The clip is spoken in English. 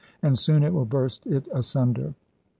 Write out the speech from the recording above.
And soon it will burst it asunder.'